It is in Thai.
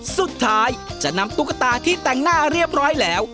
สุดท้ายจะนำตุ๊กตาที่แต่งหน้าเรียบร้อยแล้ว